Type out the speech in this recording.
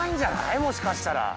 もしかしたら。